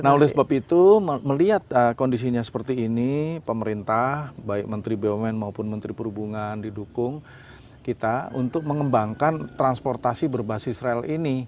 nah oleh sebab itu melihat kondisinya seperti ini pemerintah baik menteri bumn maupun menteri perhubungan didukung kita untuk mengembangkan transportasi berbasis rel ini